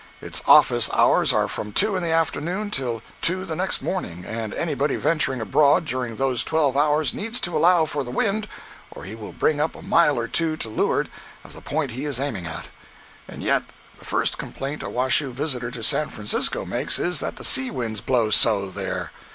Its office hours are from two in the afternoon till two the next morning; and anybody venturing abroad during those twelve hours needs to allow for the wind or he will bring up a mile or two to leeward of the point he is aiming at. And yet the first complaint a Washoe visitor to San Francisco makes, is that the sea winds blow so, there!